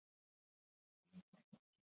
Segundo bakoitza gozatu dugu.